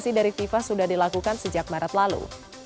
vaksinasi dari fifa sudah dilakukan sejak maret lalu